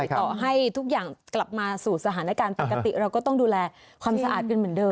ต่อให้ทุกอย่างกลับมาสู่สถานการณ์ปกติเราก็ต้องดูแลความสะอาดกันเหมือนเดิ